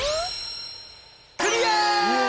クリア！